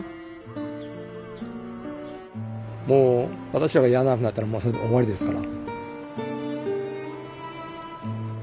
私らがやらなくなったらもうそれで終わりですから。